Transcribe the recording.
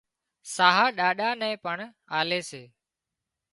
ساهَه ڏاڏا نين پڻ آلي سي